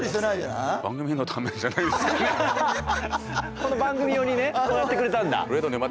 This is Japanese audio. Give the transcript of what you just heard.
この番組用にねこうやってくれたんだ！